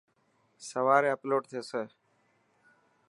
سواري اپلوڊ ٿيسي.